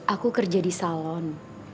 aku kerja di salon